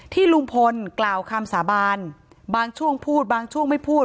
ลุงพลกล่าวคำสาบานบางช่วงพูดบางช่วงไม่พูด